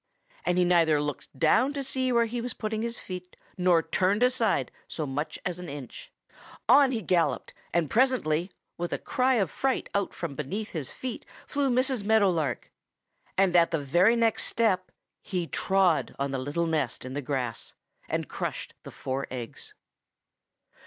And he neither looked down to see where he was putting his feet nor turned aside so much as an inch. On he galloped, and presently with a cry of fright out from beneath his feet flew Mrs. Meadow Lark, and at the very next step he trod on the little nest in the grass and crushed the four eggs.